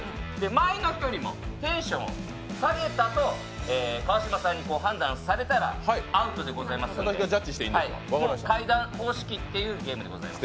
前の人よりも、テンションを下げたと川島さんに判断されたらアウトでございますので、階段方式というゲームでございます。